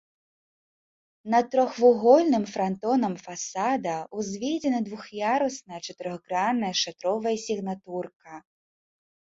Над трохвугольным франтонам фасада ўзведзена двух'ярусная чатырохгранная шатровая сігнатурка.